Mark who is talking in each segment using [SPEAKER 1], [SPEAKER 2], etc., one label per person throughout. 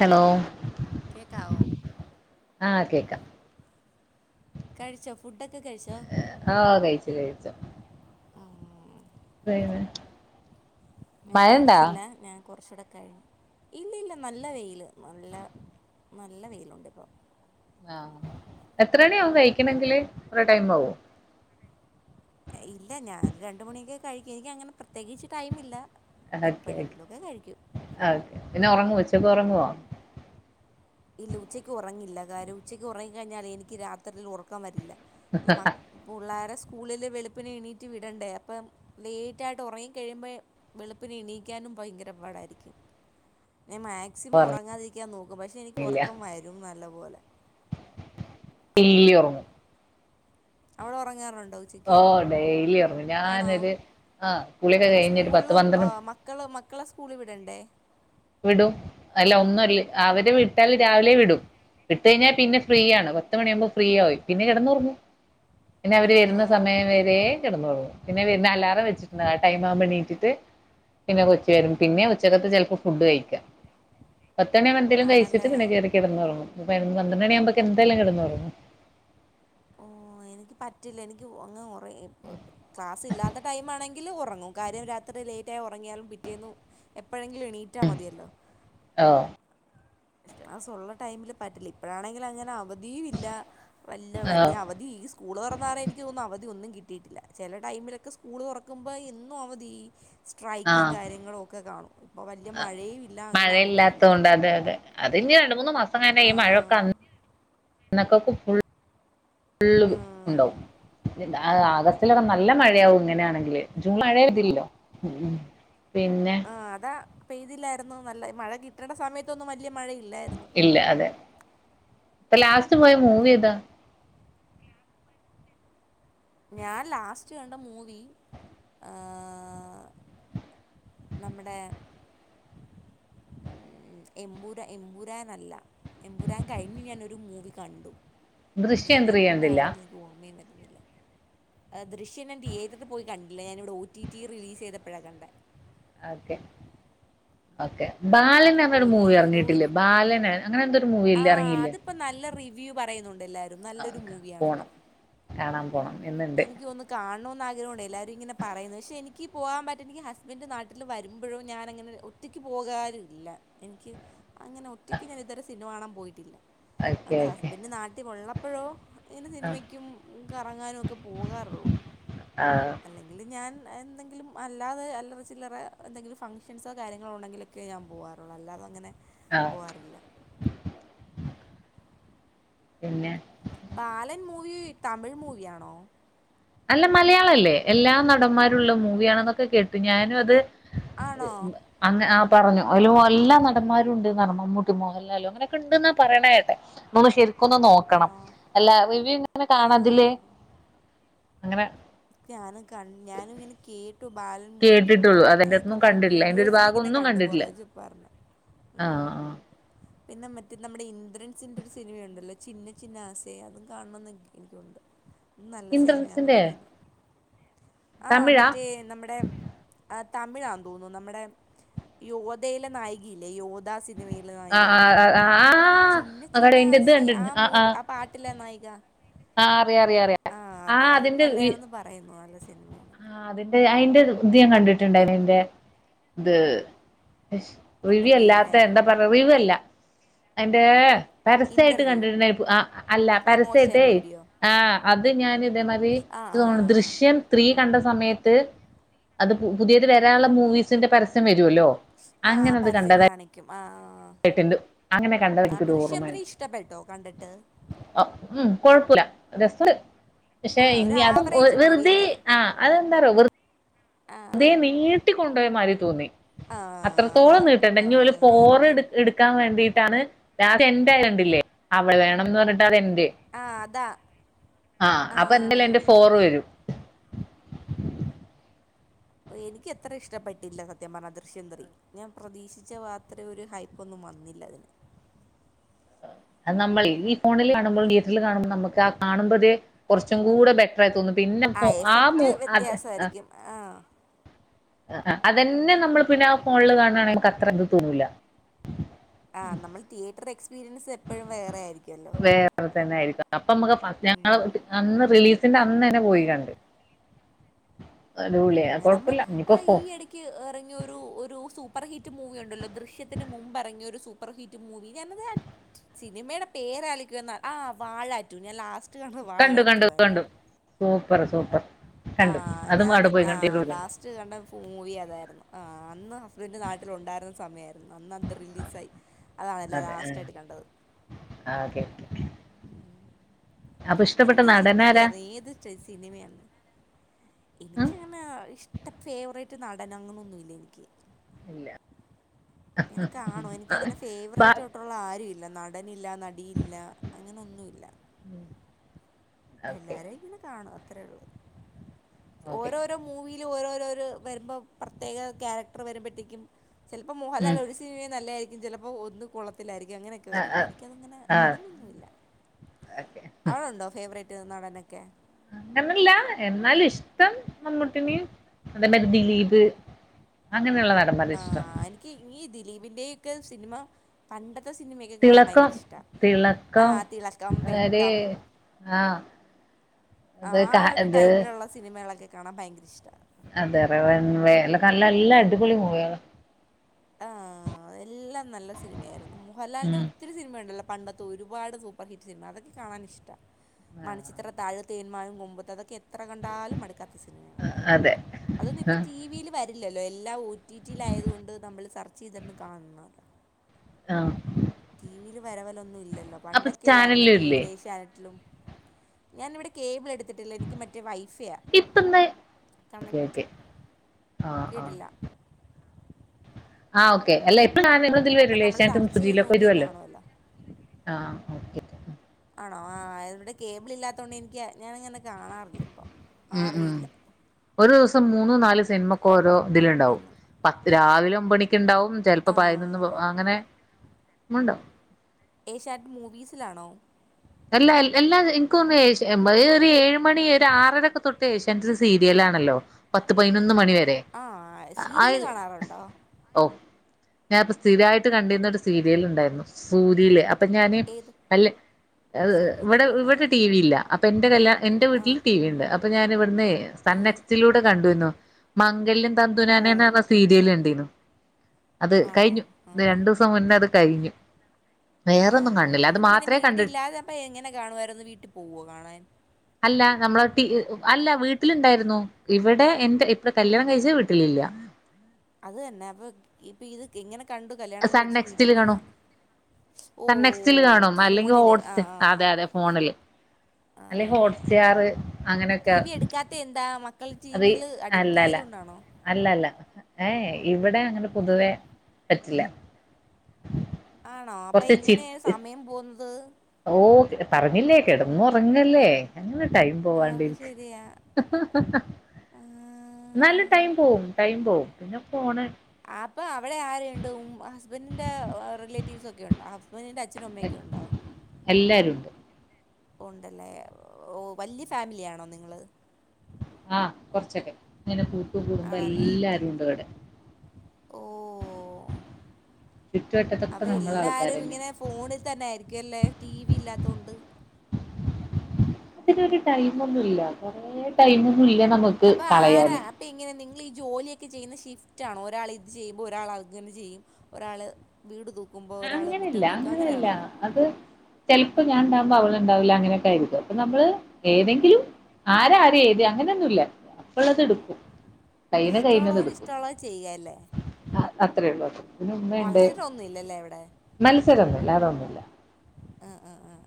[SPEAKER 1] Hello.
[SPEAKER 2] കേക്കാവോ?
[SPEAKER 1] ആഹ് കേക്കാം.
[SPEAKER 2] കഴിച്ചോ ഫുഡ് ഒക്കെ കഴിച്ചോ?
[SPEAKER 1] ഓഹ് കഴിച്ചു കഴിച്ചു. പെയ്മെന്റ്.
[SPEAKER 2] ഞാൻ കഴിച്ചില്ല ഞാൻ. കുറച്ചൂടെ കഴിഞ്ഞ് ഇല്ല ഇല്ല നല്ല വെയില് നല്ല നല്ല വെയിലുണ്ട് ഇപ്പം.
[SPEAKER 1] ആഹ് എത്ര മണിആവും കഴിക്കണോങ്കില് കുറെ ടൈം ആവോ?
[SPEAKER 2] ഇല്ല ഞാനൊരു രണ്ട് മണിയൊക്കെ കഴിക്കും എനിക്ക് അങ്ങനെ പ്രത്യേകിച്ച് ടൈംമില്ല.
[SPEAKER 1] ഓക്കെ ഓക്കെ ഓക്കെ പിന്നെ ഉറങ്ങോ ഉച്ചക്ക് ഉറങ്ങോ?
[SPEAKER 2] ഇല്ല ഉച്ചയ്ക്ക് ഉറങ്ങില്ല കാര്യം ഉച്ചയ്ക്ക് ഉറങ്ങിക്കഴിഞ്ഞാല് എനിക്ക് രാത്രിയിൽ ഉറക്കം വരില്ല ല്ല മ പുള്ളാരെ സ്കൂളില് വെളുപ്പിന് എണീറ്റ് വിടണ്ടേ അപ്പം ലേറ്റായിട്ട് ഉറങ്ങി കഴിയുമ്പോയെ വെളുപ്പിന് എണീക്കാനും ഭയങ്കര പാടായിരിക്കും പിന്നെ മാ ക്സിമം ഉറങ്ങാതിരിക്കാൻ നോക്കും പക്ഷെ എനിക്ക് ഉറക്കം വരും നല്ലപോലെ.
[SPEAKER 1] ഇല്ലിയുറങ്ങു.
[SPEAKER 2] അവിടെ ഉറങ്ങാറുണ്ടോ ഉ
[SPEAKER 1] ഓഹ് ഡെയിലി ഉറങ്ങും ഞാനൊരു ആഹ് കുളിയൊക്കെ കഴിഞ്ഞു ഒരു പത്ത് പന്ത്രണ്ട്.
[SPEAKER 2] ക്കള് മക്കളെ സ്കൂൾ വിടണ്ടേ?
[SPEAKER 1] വിടും അല്ല ഒന്നുംല്ലേ അവര് വിട്ടാല് രാവിലെ വിടും. എട്ട് കഴിഞ്ഞാ പിന്നെ ഫ്രീ ആണ് പത്ത് മണിയാവുമ്പോ ഫ്രീ ആയി പിന്നെ കെടന്നൊറങ്ങും. പിന്നെ അവര് വരുന്ന
[SPEAKER 2] ഏഹ്
[SPEAKER 1] സമയം വരെ കിടന്നോറങ്ങും പിന്നെ വരുന്ന അലാറം വെച്ചിട്ടുണ്ടാവും ആ ടൈമിൽ. അകുമ്പം എണീച്ചിട്ട് പിന്നെ കൊച്ചു വരും പിന്നെ ഉച്ചകത്തെ ചിലപ്പോ ഫുഡ് കഴിക്കാ. പത്തുമണി ആവുമ്പോ എന്തേലും കഴിച്ചിട്ട്
[SPEAKER 2] ആണല്ലേ
[SPEAKER 1] പിന്നെ കേറി കെടന്നൊറങ്ങും ഒര് പതിനൊന്നു പന്ത്രണ്ടു മണിയാവുമ്പോക്കെ എന്തായാലും കെടന്നൊറങ്ങും.
[SPEAKER 2] ഓഹ് എനിക്ക് പറ്റില്ല എനിക്ക് അങ്ങ് ഉറങ്ങിപോവത്. ക്ലാസ് ഇല്ലാത്ത ടൈം ആണെങ്കിൽ ഉറങ്ങും കാര്യം രാത്രി ലേറ്റ് ആയി ഉറങ്ങിയാലും പിറ്റേന്നു. എപ്പോഴെങ്കിലും എണീറ്റാ മതിയല്ലോ.
[SPEAKER 1] ഓഹ്.
[SPEAKER 2] ക്ലാസ്സ്‌ ഉള്ള ടൈമില് പറ്റില്ല ഇപ്പോഴാണെങ്കിൽ അങ്ങനെ അവ ധി ഇല്ല വല്ല
[SPEAKER 1] ഓ
[SPEAKER 2] വല്യ അവധി ഈ സ്കൂ സ്കൂള് തുറന്നാരെ എനിക്ക് തോന്നുന്നു അവധി ഒന്നും കിട്ടിയിട്ടില്ല ചെലെ ടൈമിലൊക്കെ സ്കൂള് തുറക്കുമ്പോ എന്നും അവധി. സ്ട്രൈക്കും
[SPEAKER 1] ആഹ്
[SPEAKER 2] കാര്യങ്ങളും ഒക്കെ കാണും ഇപ്പോ വല്യ മഴയുല്ല അങ്ങനെ അവധിയുല്ല.
[SPEAKER 1] മഴയില്ലാത്തോണ്ട് അതെ അതെ അത് ഇഞ്ഞി രണ്ട് മൂന്ന് മാസം കഴിഞ്ഞ
[SPEAKER 2] ആ
[SPEAKER 1] ഈ മഴൊക്കെ അന്നേക്കക്ക് ഫുള്ള് ഫുള്ള്
[SPEAKER 2] ആ
[SPEAKER 1] ഉണ്ടാവും ആഗസ്റ്റിലൊക്കെ നല്ല മഴയാകും ഇങ്ങനെയാണെങ്കിൽ ജൂൺ മഴ പെയ്‌തീല്യല്ലോ പിന്നെ.
[SPEAKER 2] ആഹ് അതാ പെയ്തില്ലായിരുന്നു നല്ല മഴ കിട്ടേണ്ട സമയത്തൊന്നും വല്യ മഴയില്ലായിരുന്നു.
[SPEAKER 1] ഇല്ല അതെ ഇപ്പ ലാസ്റ്റ് പോയ മൂവി ഏതാ?
[SPEAKER 2] ഞാൻ ലാസ്റ്റ് കണ്ട മൂവി ആഹ്. നമ്മടെ. എംബുര എംബുരാൻ അല്ല എംബുരാൻ കഴിഞ്ഞ് ഞാനൊരു മൂവി കണ്ടു.
[SPEAKER 1] ദൃശ്യം ത്രീ കണ്ടില്ല
[SPEAKER 2] എനിക്കതെന്താണെന്ന് എനിക്ക് ഓർമ്മയും വരുന്നില്ല. ദൃശ്യം രണ്ട് തിയേറ്ററിൽ പോയി കണ്ടില്ല ഞാനിവിടെ ഒ ടി ടി റിലീസ് ചെയ്തപ്പോഴാ കണ്ടേ.
[SPEAKER 1] ഓക്കെ ഓക്കെ ബാലൻ എന്ന് പറഞ്ഞൊരു
[SPEAKER 2] ഒരു
[SPEAKER 1] മൂവി ഇറങ്ങിയിട്ടില്ലേ ബാലന്. അങ്ങനെ എന്തൊരു മൂവി. ഇല്ല
[SPEAKER 2] ആഹ്
[SPEAKER 1] ഇറങ്ങിയില്ലേ
[SPEAKER 2] അതിപ്പോ നല്ല റിവ്യൂ പറയുന്നുണ്ട് എല്ലാരും നല്ലൊരു മൂവിയണെന്ന്.
[SPEAKER 1] കാണാം. പോണം എന്നിട്ട്
[SPEAKER 2] എനിക്ക് തോന്നത് കാണണോന്ന് ആഗ്രഹുണ്ട് എല്ലാരും ഇങ്ങനെ പറയുന്നത് ശ്ശെ എനിക്ക് പോകൻ പറ്റും നിക്ക് ഹസ്ബൻ് നാട്ടിൽ വരുമ്പൊഴും ഞാനങ്ങനെ. ഒറ്റയ്ക്ക് പോകാരുല്ലാ എനിക്ക് അങ്ങനെ ഒറ്റയ്ക്ക് ഞാൻ ഇത്വരെ സിന്മ കാണാൻ പോയിട്ടില്ല.
[SPEAKER 1] ഓക്കെ
[SPEAKER 2] എന്റെ
[SPEAKER 1] ഓക്കെ
[SPEAKER 2] ഹസ്ബൻഡ് നാട്ടിൽ ഒള്ളപ്പൊഴോ എന്നെ
[SPEAKER 1] ആ
[SPEAKER 2] സിനിമക്കുഉം. കറങ്ങാനു ഒക്കെ പോകാറുള്ളു.
[SPEAKER 1] ആ,
[SPEAKER 2] അല്ലെങ്കിലും ഞാൻ എന്തെങ്കിലും അല്ലാതെ അല്ലറ ചില്ലറ എന്തെങ്കിലും ഫംഗ്ഷൻസോ കാര്യങ്ങളോ ഉണ്ടെങ്കിലെ. ക്കെ ഞാൻ പോകാറുള്ളൂ അല്ലാതെ അങ്ങനെ.
[SPEAKER 1] ആഹ്
[SPEAKER 2] പോവാറില്ല
[SPEAKER 1] പിന്നെ?
[SPEAKER 2] ബാലൻ മൂവി തമിഴ് മൂവി ആണോ?
[SPEAKER 1] അല്ല മലയാളം അല്ലേ എല്ലാ നടന്മാരുള്ള മൂവിയണെന്നൊക്കെ കേട്ട് ഞാനും അത്.
[SPEAKER 2] ആണോ
[SPEAKER 1] [inaudible] അങ്ങ് ആഹ് പറഞ്ഞു അയിലൊ എല്ലാ നടന്മാരും ഉണ്ട്ന്നാ റഞ്ഞേ മമ്മൂട്ടി മോഹൻലാലും അങ്ങനെയൊക്കെ ഉണ്ട്ന്നാ പറയണ കേട്ടെ ന്ന് ഒന്ന് ശരിക്കൊന്നു നോക്കണം
[SPEAKER 2] ആണോ
[SPEAKER 1] അല്ല റിവ്യൂ ഇങ്ങനെ
[SPEAKER 2] ആ
[SPEAKER 1] കാണാം തില്ല് അങ്ങനെ
[SPEAKER 2] ഞാനും കൺ- ഞാനും ഇങ്ങനെ കേ [unintelligible] ടു ബാലൻ മൂവിക്ക്
[SPEAKER 1] കേട്ടിട്ടുള്ളൂ
[SPEAKER 2] പോവുന്നു
[SPEAKER 1] അതിന്റെ
[SPEAKER 2] അങ്ങനെ
[SPEAKER 1] ഒന്നും
[SPEAKER 2] കുറച്ച്
[SPEAKER 1] കണ്ടിട്ടില്ല അതിന്റെ ഒരു ഭാഗം
[SPEAKER 2] വീഡിയോസിലിങ്ങനെ കണ്ടു കുറച്ച് പറഞ്ഞു.
[SPEAKER 1] ആഹ് ആഹ്.
[SPEAKER 2] പിന്നെ മറ്റെ നമ്മടെ ഇന്ദ്രൻസിന്റെ ഒരു സിനിമയുണ്ടല്ലോ ചിന്ന ചിന്ന ആസൈ അതും കാണണെന്ന് എനി- എനിക്കുണ്ട്. [unintelligible] [inaudible] ഉം നല്ല സിനിമയാന്ന്
[SPEAKER 1] ഇന്ദ്രൻസിന്റെ
[SPEAKER 2] പറയുന്നു ആഹ്
[SPEAKER 1] തമിഴാ
[SPEAKER 2] മറ്റേ നമ്മടെ ആഹ് തമിഴാന്ന് തോന്നുന്നു നമ്മെടെ യോദ്ധയിലെ നായികയില്ലേ യോദ്ധാ സിനിമയിൽ.
[SPEAKER 1] ആഹ് ആഹ് ആഹ് ആഹ് ആഹ്
[SPEAKER 2] ചിന്ന
[SPEAKER 1] അകട
[SPEAKER 2] ചിന്ന
[SPEAKER 1] അയിന്റെ ഇത്
[SPEAKER 2] ആസൈ
[SPEAKER 1] കണ്ടിട്ടുണ്ട്
[SPEAKER 2] ആഹ് മൂവ്- ആഹ് പാട്ടില നായിക.
[SPEAKER 1] ആഹ് അറിയാം അറിയാം അറിയാം
[SPEAKER 2] ആഹ് അത് അതും നല്ലയാണെന്ന് പറയുന്നു നല്ല സിന്മയാണ്.
[SPEAKER 1] ആഹ് അതിന്റെ അയിന്റെ ഇത് ഞാൻ കണ്ടിട്ടുണ്ടായിന് അയിൻ്റെ ഇത്. റിവ്യൂ
[SPEAKER 2] ഇൻ്റർവ്യൂ
[SPEAKER 1] അല്ലാത്ത
[SPEAKER 2] അല്ലേ
[SPEAKER 1] എന്താ പറയാ റിവ്യൂ അല്ല അയിൻ്റേ പരസ്യായിട്ട്
[SPEAKER 2] ഇൻ്റർവ്യൂ
[SPEAKER 1] കണ്ടിട്ടുണ്ടാരിക്കും ആഹ് അല്ല
[SPEAKER 2] പ്രമോഷൻ
[SPEAKER 1] പരസ്യായിട്ടേ
[SPEAKER 2] വീഡിയോ
[SPEAKER 1] ആഹ് അത് ഞാൻ ഇതേമാതിരി
[SPEAKER 2] ആ ആ ആ
[SPEAKER 1] ദൃശ്യം ത്രീ കണ്ട സമയത്ത് അത് പുതിയത് വരാനുള്ള മൂവീസിന്റെ പരസ്യം വരുവല്ലോ.
[SPEAKER 2] ആ ആ,
[SPEAKER 1] അങ്ങനെത്
[SPEAKER 2] പരസ്യം
[SPEAKER 1] കണ്ടതായി
[SPEAKER 2] കാണിക്കും ആ ആ, ആ.
[SPEAKER 1] ട്ടിണ്ട് അങ്ങനെ കണ്ടത്
[SPEAKER 2] ആ, ദൃശ്യം ത്രീ
[SPEAKER 1] എനിക്കൊരോർമ്മയണ്ട്
[SPEAKER 2] ഇഷ്ടപ്പെട്ടോ കണ്ടിട്ട്
[SPEAKER 1] മ്മ് കൊഴപ്പല്ല രസണ്ട് പക്ഷെ
[SPEAKER 2] ആ ഒരു
[SPEAKER 1] ഇനി അതും ഒ-
[SPEAKER 2] ആവറേജ് മൂവി
[SPEAKER 1] വെറ്തെ ആഹ് അതെന്താറിയ്യോ വെറു
[SPEAKER 2] ആഹ്
[SPEAKER 1] അതേ നീട്ടിക്കൊണ്ടുപോയ മാരി തോന്നി
[SPEAKER 2] ആ അതാ
[SPEAKER 1] അത്രത്തോളം നീട്ടണ്ട
[SPEAKER 2] ആ
[SPEAKER 1] ഇനി ഓല് ഫോർ
[SPEAKER 2] എനിക്കും
[SPEAKER 1] എട്- എടുക്കാൻ വേണ്ടിയിട്ടാണ് ലാസ്റ്റ് എൻ്റായത് കണ്ടില്ലേ അവളെ വേണംന്ന് പറഞ്ഞിട്ടാണ് എൻ്റ്
[SPEAKER 2] ആഹ് അതാ
[SPEAKER 1] ആഹ് അപ്പൊ എന്തേലും അയിന്റെ
[SPEAKER 2] ആഹ്
[SPEAKER 1] ഫോറ് വരും
[SPEAKER 2] ഓ എനിക്ക് എത്ര ഇഷ്ടപ്പെട്ടില്ല സത്യം പറഞ്ഞ ദൃശ്യം ത്രീ ഞാൻ പ്രതീക്ഷിച്ച അത്രെ ഒരു ഹൈപ്പൊന്നും വന്നില്ല അതിന്
[SPEAKER 1] അത് നമ്മളീ ഈ ഫോണില് കാണുമ്പൊളും തീയറ്ററില് കാണും നമുക്ക് ആ കാണുമ്പോഴേ കുറച്ചും കൂടെ ബെ തോന്നുന്നു പിന്നെ പൊ ആ
[SPEAKER 2] എഫക്റ്റ്
[SPEAKER 1] മൂ അത് [unintelligible]
[SPEAKER 2] വ്യത്യാസമായിരിക്കും ആഹ്
[SPEAKER 1] ആഹ് ആഹ് അതന്നെ നമ്മള് പിന്നെ ആ ഫോണില് കാണണാണെങ്കില് മ്മക്ക് അത്ര ഇത് തോന്ന്ല്ല
[SPEAKER 2] ആഹ് നമ്മള് തിയേറ്റർത്തെ എക്സ്പീരിയൻസ് എപ്പൊഴും വേറെ ആയിരിക്കുവല്ലോ
[SPEAKER 1] വേറെതന്നായിരിക്കും അപ്പ നമ്മക്ക് [inaudible] റിലീസ് [inaudible] ൻ്റന്നന്നെ പോയി കണ്ട് [unintelligible] ല്ലേ കുഴപ്പില്ല ഇനിപ്പോ
[SPEAKER 2] ക്ക് ഇറങ്ങിയോരു ഒരു സൂപ്പറ് ഹീറ്റ് മൂവിയൊണ്ടല്ലോ ദൃശ്യത്തിന് മുമ്പെറങ്ങിയൊരു സൂ [unintelligible] സൂപ്പർ ഹിറ്റ് മൂവി ഞാന [inaudible] സിനിമയുടെ പേര ആലോയ്ക്കായന്നു. ആഹ് വാഴാറ്റു ഞാൻ ലാസ്റ്റ്. സ്റ്റ് കണ്ട വാഴാറ്റു ആയിരുന്നു.
[SPEAKER 1] Super super. കണ്ടു
[SPEAKER 2] ആഹ്
[SPEAKER 1] അതും
[SPEAKER 2] ഞാന്
[SPEAKER 1] അവിടെ പോയി കണ്ട് ഇത്
[SPEAKER 2] ആഹ്
[SPEAKER 1] കണ്ടു
[SPEAKER 2] ലാസ് റ്റ് കണ്ട മൂവി അതായിരുന്നു. അഹ് അന്ന് ഹുസ്ബൻഡ് നാട്ടിലുണ്ടായിരുന്ന സമയമായിരുന്നു. അന്ന് അത് റിലീസായി. അതാണല്ല
[SPEAKER 1] അതെ ആഹ്
[SPEAKER 2] ലാസ്റ്റായിട്ട് കണ്ടത്
[SPEAKER 1] ആഹ് ഓകേക്കെ. അപ്പൊ ഇഷ്ടപ്പെട്ട നടനാരാ?
[SPEAKER 2] ചേ സിനിമയാണ്.
[SPEAKER 1] ഉം?
[SPEAKER 2] ന്ക്ക്ങ്ങനെ ഇഷ്ട ഫേവറേറ്റ് നടന് അങ്ങനൊന്നുമില്ല എനിക്ക്.
[SPEAKER 1] ഇല്ല.
[SPEAKER 2] ഇങ്ങനെ കാണോ എനിക്കങ്ങനെ ഫവററ്റ് ഉ. ഷ്ടള്ള ആരുഇല്ല നടനില്ല നടിയില്ല അങ്നെയൊന്നുല്ല.
[SPEAKER 1] ഉംഹ്.
[SPEAKER 2] അല്ലാരേ ഇങ്ങനെ കാണും. അത്രേ ഉള്ളൂ.
[SPEAKER 1] ഓക്കെ ഓക്കെ
[SPEAKER 2] ഓരോര്. ഓരോ മൂവിൽ ഓരോരോ വരുമ്പോ പ്രത്യേക ക്യാരക്ടർ വരുമ്പഴത്തേക്കും ചെലപ്പോ മോഹൻലാൽ ഒഴി. ക്ക സിനിമയും നല്ലായിരിക്കും ചിലപ്പോ ഒന്നും കൊള്ളത്തില്ലായിരിക്കും അങ്ങനെ. ക്ക് വരില്ല. എനിക്കത്ങ്ങനെ അങ്ങനൊന്നുവില്ല. അവിടെണ്ടോ ഫേവറേറ്റ് നടനൊക്കെ?
[SPEAKER 1] അങ്ങന്ല്ല എന്നാലും ഇഷ്ടം മമ്മൂട്ടിനിം അതേമാരി ദിലീപ്. അങ്ങനെയുള്ള നടന്മാരെ ഇഷ്ടം
[SPEAKER 2] ആഹ് എനിക്ക് ഈ ദിലീപിന്റെ ഒക്കെ സിനിമ. പണ്ടത്തെ സിനിമയൊക്കെ കാണാ
[SPEAKER 1] തിളക്കം
[SPEAKER 2] ഭയങ്കര ഇഷ്ട.
[SPEAKER 1] തിളക്കം
[SPEAKER 2] ആഹ് തിളക്കം വെട്ടം.
[SPEAKER 1] ആഹ്.
[SPEAKER 2] ആ ഒരു ടൈമിലുള്ള സിനിമകളൊക്കെ കാണാൻ ഭയങ്കര ഇഷ്ട.
[SPEAKER 1] അതെ റൺവേ ആയിലൊക്കെ നല്ല എല്ലാം അടിപൊളി മൂവിയാള.
[SPEAKER 2] ആഹ് എല്ലാം നല്ല സിനിമയായിരുന്നു. മോഹൻലാലിന്റെ ഒ. ഒത്തിരി സിനിമയുണ്ടല്ലോ പണ്ടത്തെ ഒരുപാട് സൂപ്പർ ഹിറ്റ് സിനിമ അതൊക്കെ കാണാൻ ഇഷ്ട
[SPEAKER 1] ആ
[SPEAKER 2] മനച്ചിത്രത്താഴ്. തേൻമാവിൻ കൊമ്പത്ത് അതൊക്കെ എത്ര കണ്ടാലും മടുക്കാത്ത സിനിമകളാ
[SPEAKER 1] അതെ
[SPEAKER 2] അതൊന്നും
[SPEAKER 1] ആ
[SPEAKER 2] ഇപ്പം ടി വീൽ വര. തില്ലല്ലോ എല്ലാം ഊറ്റിടിയിലായോണ്ട് നമ്മൾ. സെർചെയ്‌തെന്ന് കാണ്ണ്ണോലൊ.
[SPEAKER 1] ആഹ്.
[SPEAKER 2] ടി വിൽ വരവലൊന്നും ഇല്ലല്ലോ പണ്ടൊക്കെയല്ലായിരുന്ന
[SPEAKER 1] ചാനലിലും ഇല്ലേ
[SPEAKER 2] ടിവിയിലെ ഏഷ്യാനെറ്റിലും. ഞാനിവിടെ കേബിൾ എടുത്തിട്ടില്ല. എനിക്ക് മറ്റേ വൈഫയാ.
[SPEAKER 1] ഇപ്പന്ന് ഓക്കെ ഓക്കെ
[SPEAKER 2] കണക്റ്റ്
[SPEAKER 1] ആ ആ
[SPEAKER 2] കിടിലാ.
[SPEAKER 1] ആഹ് ഓക്കെ അല്ല ഇപ്പൊതിൽ [unintelligible]
[SPEAKER 2] അപ്പം
[SPEAKER 1] വരുല്ലേ
[SPEAKER 2] നമ്മൾ
[SPEAKER 1] ഏഷ്യാനറ്റും
[SPEAKER 2] സെർച്ച് ചെയ്ത്
[SPEAKER 1] സുചീലൊക്കെ
[SPEAKER 2] നോക്കിയാൽ
[SPEAKER 1] വരുവല്ലോ
[SPEAKER 2] കാണുമല്ലോ
[SPEAKER 1] ആഹ് ഓക്കെ.
[SPEAKER 2] ആണോ ആഹ് എവിടെ കേബിളില്ലാത്തോണ്ട് എനിക്ക് ഞാനിങ്ങനെ കാണാറില്ല. ഇപ്പോ ആഹ്
[SPEAKER 1] ഉം ഉം
[SPEAKER 2] അറിയില്ല.
[SPEAKER 1] ഒരു ദിവസം മൂന്നു നാല് സിനിമക്ക ഓരോ ഇതിലുണ്ടാവും.
[SPEAKER 2] അങ്ങനെ
[SPEAKER 1] പത്ത് രാവിലെ ഒമ്പണിക്ക് ഉണ്ടാവും ചെലപ്പോ
[SPEAKER 2] ആ
[SPEAKER 1] പതിനൊന്ന് അങ്ങനെ ഉണ്ടാവും.
[SPEAKER 2] ഏഷാനറ്റ് മൂവീസിലാണോ?
[SPEAKER 1] അല്ലാ എല്ലാ എനിക്കൊന്ന് ഏ ഒരു ഏഴ് മണി ഒരു ആറരൊക്കെ തൊട്ട് ഏഷ്യന്റ് സീരിയലാണല്ലോ. പത്ത് പതിനൊന്ന് മണിവരെ.
[SPEAKER 2] ആഹ് സീരിയല് കാണാറുണ്ടോ?
[SPEAKER 1] ഓഹ്. ഞാനിപ്പോ സ്ഥിരായിട്ട് കണ്ടിരുന്നൊ ഒരു സീരിയൽ ഉണ്ടായിരുന്നു സൂര്യല് അപ്പൊ ഞാന്
[SPEAKER 2] ഏത്
[SPEAKER 1] നല്ല. ഏഹ്ഇവിടെ
[SPEAKER 2] സൂര്യയിൽ ആ
[SPEAKER 1] ഇവിടെ ടി വി ഇല്ല അപ്പം എൻ്റെ കല് എൻ്റെ
[SPEAKER 2] ആ
[SPEAKER 1] വീട്ടിൽ ടി വി ഉണ്ട് അപ്പൾ ഞാൻ ഇവിടുന്ന്
[SPEAKER 2] ആ
[SPEAKER 1] സൺ എക്റ്റ്. റ്റിലൂടെ കണ്ട്ന്നു
[SPEAKER 2] ഓ
[SPEAKER 1] മാംഗല്യംതന്തുനാന എന്ന അറഞ്ഞ സീരിയല കണ്ടിനു. അത്
[SPEAKER 2] ആണോ
[SPEAKER 1] കഴിഞ്ഞു
[SPEAKER 2] ആ ആ
[SPEAKER 1] രണ്ടൂസം മുന്നേ അത് കഴിഞ്ഞു. വേറൊന്നും
[SPEAKER 2] ആണോ
[SPEAKER 1] കണ്ടില്ല. അത്
[SPEAKER 2] അപ്പം പിന്നെ
[SPEAKER 1] മാത്രേ
[SPEAKER 2] ഇവിടെ
[SPEAKER 1] കണ്ടി.
[SPEAKER 2] ഇല്ലാതെ അപ്പം എങ്ങനെ കാണുവായിരുന്നു. വീട്ടി പോവോ കാണാൻ.
[SPEAKER 1] അല്ല നമ്മളട്ട അല്ല വീട്ടിലുണ്ടായിരുന്നു. ഇവിടെ എന്റെ ഇപ്പ കല്യാണം കഴിച്ച വീട്ടിലില്ല.
[SPEAKER 2] അത് തന്നെ അപ്പൊ ഇപ്പൊ ഇത് എങ്ങനെ കണ്ടു കല്യാണം
[SPEAKER 1] സൺ
[SPEAKER 2] കഴച്ച
[SPEAKER 1] നെക്സ്റ്റില്
[SPEAKER 2] വീട്ടിലിൽനിന്ന്.
[SPEAKER 1] കാണും സൺ നെക്സ്റ്റില്
[SPEAKER 2] ഓഹ്
[SPEAKER 1] കാണും അല്ലെങ്കിൽ
[SPEAKER 2] ഫോണില്
[SPEAKER 1] ഹോട്ട്സ്
[SPEAKER 2] ആഹ്
[SPEAKER 1] അതെ അതെ ഫോണില്
[SPEAKER 2] ആഹ്. ആഹ്
[SPEAKER 1] അല്ലെ
[SPEAKER 2] ആഹ് ആഹ്
[SPEAKER 1] ഹോട്ട്സ്റ്റാർ
[SPEAKER 2] ആഹ്
[SPEAKER 1] അങ്ങനെയൊക്കെ
[SPEAKER 2] ടി വി എടുക്കാത്ത എന്താ മക്കള് ടിവിൽ അഡിക്റ്റ് ആയത് കൊണ്ടാണോ?
[SPEAKER 1] അല്ല അല്ല ഏ ഇവിടെ അങ്ങനെ പൊതുവെ പറ്റില്ല
[SPEAKER 2] ആണോ അപ്പൊ
[SPEAKER 1] കുറച്ച് ചി
[SPEAKER 2] എങ്ങനെയാണ് സമയം പോകുന്നത്
[SPEAKER 1] ഓ പിന്നെ പറഞ്ഞില്ലേ കിടന്നു ഉറങ്ങല്ലേ എങ്ങനെ ടൈം
[SPEAKER 2] അത്
[SPEAKER 1] പോവാണ്ടരിക്ക
[SPEAKER 2] ശരിയാ ആഹ്
[SPEAKER 1] നല്ല ടൈം പോവും ടൈം പോവും പിന്നെ ഫോണ്
[SPEAKER 2] അപ്പം അവിടെ ആരുണ്ട് ഹസ്ബന്റിന്റെ റിലേറ്റീവ്സ് ഒക്കെ ഉണ്ടോ ഹസ് ബന്റിന്റെ അച്ഛനു അമ്മയുമൊക്കെ ഉണ്ടോ
[SPEAKER 1] എല്ലാരുണ്ട്
[SPEAKER 2] ഉണ്ടല്ലേ ഓ വലിയ ഫാമിലിയാണോ നിങ്ങള്
[SPEAKER 1] ആഹ് കൊറച്ചൊക്കെ അങ്ങനെ കൂട്ടും കൂടുമ്പോ
[SPEAKER 2] ആണല്ലേ
[SPEAKER 1] എല്ലാരും ഉണ്ടിവിടെ
[SPEAKER 2] ഓ
[SPEAKER 1] ചുറ്റുവട്ടത്തൊക്കെ
[SPEAKER 2] അത്
[SPEAKER 1] നമ്മളെ ആൾക്കാര്
[SPEAKER 2] എല്ലാരും
[SPEAKER 1] തന്നെ
[SPEAKER 2] ഇങ്ങനെ ഫോണിൽ തന്നെ ആയിരിക്കുംല്ലേ ടി വി ഇല്ലാത്തൊണ്ട്
[SPEAKER 1] ഒരു ടൈമ് ഒന്നുല്ല കുറേ ടൈമ് ഒന്നുല്ല നമ്മക്ക്
[SPEAKER 2] അപ്പൊ ആരാ ഇപ്പെങ്ങനെ നിങ്ങൾ ഈ ജോലിയൊക്കെ ചെയ്യുന്നെ ഷിഫ്റ്റാണോ ഒരാൾ ഇത് ചെയ്യുമ്പോൾ ഒരാൾ അതന്നെ ചെയ്യും ഒരാള് വീട് തൂക്കുമ്പോ ഒരാള്
[SPEAKER 1] അങ്ങനെല്ല
[SPEAKER 2] മുറ്റം തൂക്കും
[SPEAKER 1] അങ്ങനെയല്ല
[SPEAKER 2] അങ്ങനെയാണോ
[SPEAKER 1] അത് ചെലപ്പോ ഞാൻ ഉണ്ടാവുമ്പോ അവള് ഉണ്ടാവില്ല അങ്ങനെയൊക്കെ ആയിരിക്കും അപ്പൊ നമ്മള് ഏതെങ്കിലും ആര് ആദ്യയ്തു അങ്ങനെയൊന്നുമില്ല ഇപ്പോളത് എടുക്കും കൈണ് കൈണത്
[SPEAKER 2] ഇഷ്ടമുള്ളവർ
[SPEAKER 1] എടുക്കും
[SPEAKER 2] ഇഷ്ടമുള്ളത് ചെയ്യുക അല്ലേ
[SPEAKER 1] അത്രയേ ഉള്ളു അത് പിന്നെ ഉമ്മയുണ്ട്
[SPEAKER 2] മത്സരൊന്നും ഇല്ലല്ലേ എവിടെ
[SPEAKER 1] മത്സരമൊന്നുമില്ല അതൊന്നുമില്ല
[SPEAKER 2] ആഹ് ആഹ് ആഹ്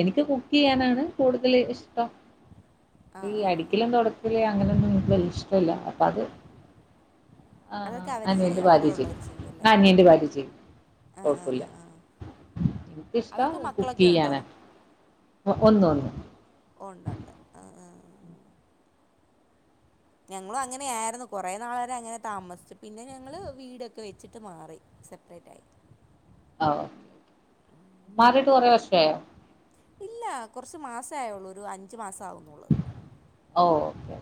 [SPEAKER 1] എനിക്ക് കുക്ക് ചെയ്യാനാണ് കൂടുതൽ ഇഷ്ടം
[SPEAKER 2] ആ
[SPEAKER 1] ഈ
[SPEAKER 2] ആ ആ
[SPEAKER 1] അടിക്കലും തുട ക്കല് അങ്ങനെയൊന്നും എനിക്ക് വല്യേ ഇഷ്ടമില്ല അപ്പ അത് ആഹ്
[SPEAKER 2] അതൊക്കെ അവർ
[SPEAKER 1] അനിയന്റെ
[SPEAKER 2] ചെയ്യും അവിടെ
[SPEAKER 1] ഭാര്യ ചെയ്യും
[SPEAKER 2] ഉള്ളവർ അല്ലേ
[SPEAKER 1] ആഹ് അനിയന്റെ ഭാര്യ ചെയ്യും
[SPEAKER 2] ആ ആ
[SPEAKER 1] കുഴപ്പില്ല
[SPEAKER 2] ആ ആ
[SPEAKER 1] എനിക്ക് ഇഷ്ട
[SPEAKER 2] അവർക്ക്
[SPEAKER 1] കു
[SPEAKER 2] മക്കളൊക്കെ ഉണ്ടോ
[SPEAKER 1] ക്കെയ്യാണ് ഒന്ന് ഒന്ന്
[SPEAKER 2] ഉണ്ട്ണ്ട് ഉം ഉം ഞങ്ങളും അങ്ങനെയായിരുന്നു കുറേ നാൾ വരെ അങ്ങനെ താമസിച്ചു പിന്നെ ഞങ്ങള് വീടൊക്കെ വെച്ചിട്ട് മാറി സെപ്പറേറ്റ് ആയി
[SPEAKER 1] ഓ മാറിയിട്ട് കുറെ വർഷായൊ
[SPEAKER 2] ഇല്ല കുറച്ച് മാസായുള്ളൂ ഒരു അഞ്ച് മാസാവുന്നുള്ളൂ
[SPEAKER 1] ഓ ഓക്കേെ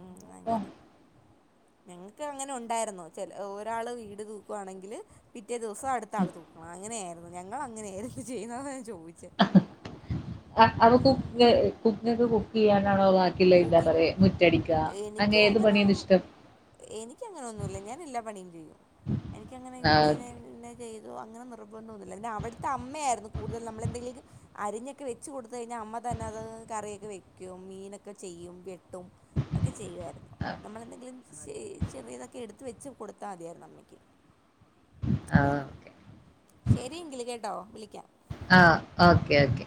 [SPEAKER 2] ഉം
[SPEAKER 1] അപ്പൊ
[SPEAKER 2] അങ്ങനെ ഞങ്ങക്ക് അങ്ങനെ ഉണ്ടായിരുന്നു ചെ ഒരാള് വീട് തൂക്കുവാണെങ്കില് പിറ്റേ ദിവസം അടുത്ത ആൾ തൂക്കണം അങ്ങനെയായിരുന്നു ഞങ്ങൾങ്ങനെയായിരുന്നു ചെയ്യുന്നതെന്ന് അതാ ഞാൻ ചോദിച്ചത്
[SPEAKER 1] അത് കുക്കനെ കുക്ക് ചെയ്യാനാണോ ബാക്കിയുള്ള എന്താ
[SPEAKER 2] കുക്കിംഗ്
[SPEAKER 1] പറയാ മുറ്റടിക്കുക
[SPEAKER 2] എനിക്ക്
[SPEAKER 1] അങ്ങനെ ഏത്
[SPEAKER 2] അങ്ങനൊ
[SPEAKER 1] പണിയാണ് ഇഷ്ടം
[SPEAKER 2] എനിക്കങ്ങനെ ഒന്നുല്ല ഞാൻ എല്ലാ പണിയും ചെയ്യും എനിക്കങ്ങനെ
[SPEAKER 1] ആ
[SPEAKER 2] ഇന്നന പിന്നെ ചെയ്തോ അങ്ങനെ നിർബന്ധം ഒന്നുമില്ല പിന്നെ അവിടുത്തെ അമ്മയായിരുന്നു കൂടുതൽ നമ്മള് എന്തെങ്കിലൊക്കെ അരിഞ്ഞൊക്കെ വെച്ച് കൊടുത്ത് കഴിഞ്ഞാ അമ്മ തന്നെ അത് കറിയൊക്കെ വെക്കും മീനൊക്കെ ഒക്കെ ചെയ്യും വെട്ടും ഒക്കെ ചെയ്യുമായിരുന്നു നമ്മളെന്തെങ്കിലും
[SPEAKER 1] ഓക്കെ
[SPEAKER 2] ചെറിയതൊക്കെ എടുത്ത് വെച്ച് കൊടുത്താൽ മതിയായിരുന്നു അമ്മയ്ക്ക്
[SPEAKER 1] ആ ആ
[SPEAKER 2] അങ്ങനെ
[SPEAKER 1] ഓക്കെ
[SPEAKER 2] ശരിയെങ്കിൽ കേട്ടോ വിളിക്കാം
[SPEAKER 1] ആഹ് ഓക്കേ ഓക്കേ